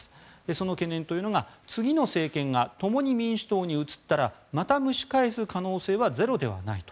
その懸念というのが次の政権が共に民主党に移ったらまた蒸し返す可能性はゼロではないと。